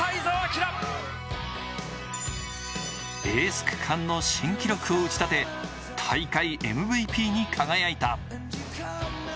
エース区間の新記録を打ち立て、大会ＭＶＰに輝いた。